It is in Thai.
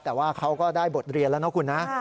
แต่ว่าเขาก็ได้บทเรียนแล้วนะคุณนะ